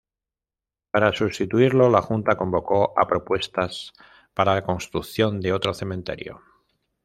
Para sustituirlo, la Junta convocó a propuestas para la construcción de otro cementerio.